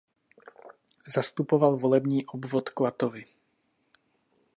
Zastupoval volební obvod Klatovy.